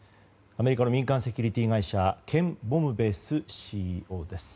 アメリカの民間セキュリティー会社ケン・ボムベースＣＥＯです。